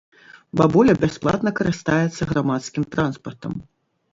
Бабуля бясплатна карыстаецца грамадскім транспартам.